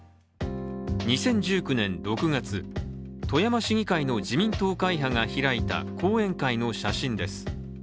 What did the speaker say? ２０１９年６月富山市議会の自民党会派が開いた講演会の写真です。